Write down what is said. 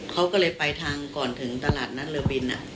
เขาก็เลยไปทางก่อนถึงตลาดนัดเรือบิน